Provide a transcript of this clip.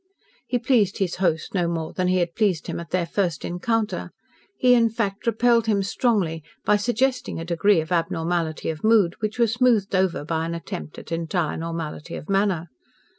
He pleased his host no more than he had pleased him at their first encounter; he, in fact, repelled him strongly, by suggesting a degree of abnormality of mood which was smoothed over by an attempt at entire normality of manner.